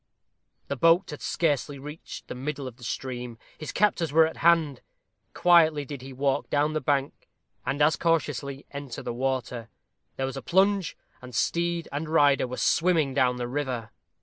The boat had scarcely reached the middle of the stream. His captors were at hand. Quietly did he walk down the bank, and as cautiously enter the water. There was a plunge, and steed and rider were swimming down the river.